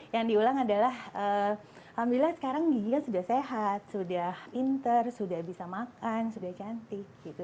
yang diulang adalah alhamdulillah sekarang giginya sudah sehat sudah pinter sudah bisa makan sudah cantik gitu